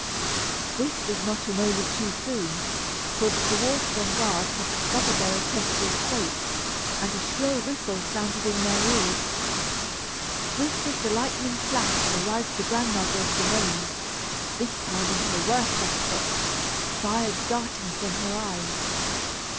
This was not a moment too soon, for the dwarfs on guard had discovered their attempt to escape, and a shrill whistle sounded in their ears. Swift as the lightning flash arrived the Grandmother of the Gnomes, this time in her worst aspect, fire darting from her eyes.